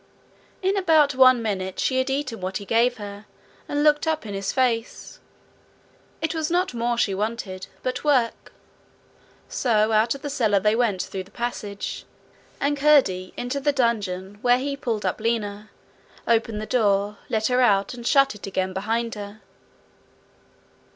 In about one minute she had eaten what he gave her, and looked up in his face: it was not more she wanted, but work. So out of the cellar they went through the passage, and Curdie into the dungeon, where he pulled up Lina, opened the door, let her out, and shut it again behind her.